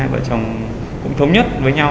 vợ chồng cũng thống nhất với nhau